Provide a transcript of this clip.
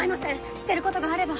知ってることがあれば。